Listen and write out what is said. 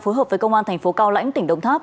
phối hợp với công an thành phố cao lãnh tỉnh đồng tháp